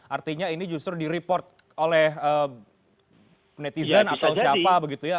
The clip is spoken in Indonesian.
artinya ini justru di report oleh netizen atau siapa begitu ya